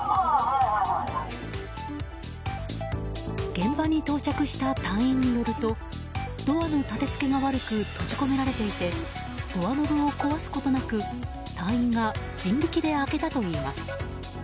現場に到着した隊員によるとドアの立てつけが悪く閉じ込められていてドアノブを壊すことなく隊員が人力で開けたといいます。